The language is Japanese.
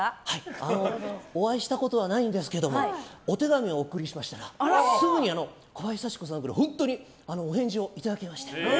お会いしたことはないんですけどもお手紙をお送りしましたらすぐに小林幸子さんから本当にお返事をいただきまして。